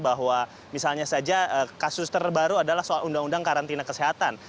bahwa misalnya saja kasus terbaru adalah soal undang undang karantina kesehatan